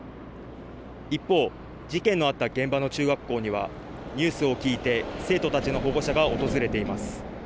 一方、事件のあった現場の中学校にはニュースを聞いて生徒たちの保護者が訪れています。